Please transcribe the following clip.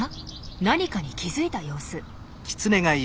何かに気付いた様子。